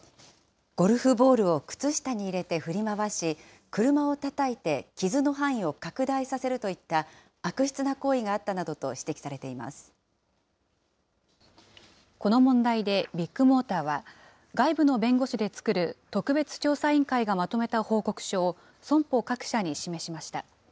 ゴルフボールを靴下に入れて振り回し、車をたたいて傷の範囲を拡大させるといった、悪質な行為があったなどと指摘されていまこの問題でビッグモーターは、外部の弁護士で作る特別調査委員会がまとめた報告書を、損保各社に示しました。